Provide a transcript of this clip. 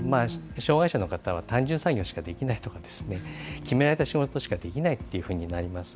障害者の方は単純作業しかできないとかですね、決められた仕事しかできないっていうふうになります。